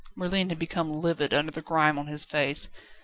Merlin had become livid under the grime on his face.